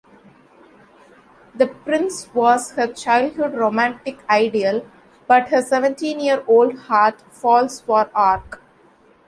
The prince was her childhood romantic ideal, but her seventeen-year-old heart falls for Arc.